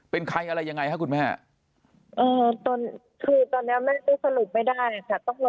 เป็นใครอะไรยังไงฮะมีคุณแม่ตอนตอนนี้มันไม่สรุปไม่ได้ค่ะต้อง